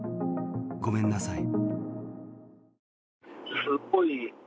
ごめんなさい。